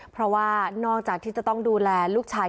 เพราะว่านอกจากที่จะต้องดูแลลูกชาย